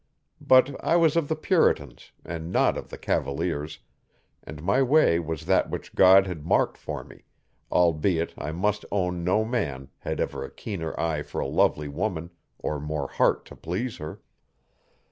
But I was of the Puritans, and not of the Cavaliers, and my way was that which God had marked for me, albeit I must own no man had ever a keener eye for a lovely woman or more heart to please her.